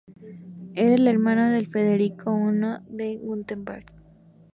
Era el hermano de Federico I de Wurtemberg.